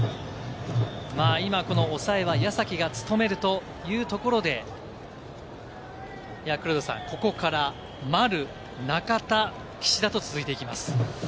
今、抑えは矢崎が務めるというところで、黒田さん、ここから丸、中田、岸田と続いていきます。